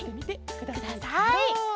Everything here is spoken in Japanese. ください。